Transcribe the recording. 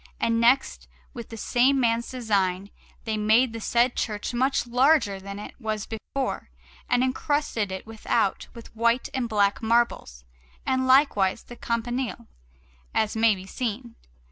And next, with the same man's design, they made the said church much larger than it was before, and encrusted it without with white and black marbles, and likewise the campanile, as may be seen.